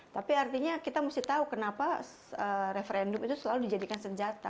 tapi artinya kita mesti tahu kenapa referendum itu selalu dijadikan senjata